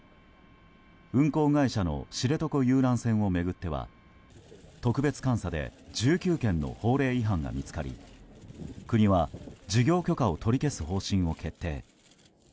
運航会社の知床遊覧船を巡っては特別監査で１９件の法令違反が見つかり国は事業許可を取り消す方針を決定。